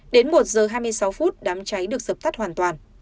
đến một giờ hai mươi sáu phút đám cháy được dập tắt hoàn toàn